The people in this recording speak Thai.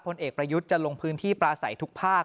เอกประยุทธ์จะลงพื้นที่ปลาใสทุกภาค